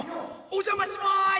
お邪魔します！